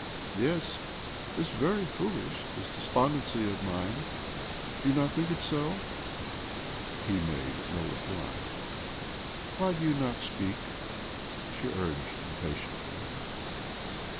Yes, 'tis very foolish, this despon dency of mine. Do you not think so?" He made no reply. " Why do you not speak ?" she urged impatiently.